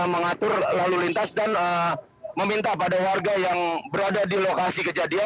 mengatur lalu lintas dan meminta pada warga yang berada di lokasi kejadian